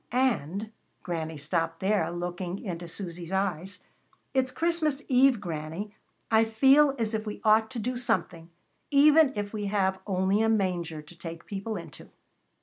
And " Granny stopped there, looking into Susy's eyes. "It's Christmas eve, Granny. I feel as if we ought to do something, even if we have only a manger to take people into."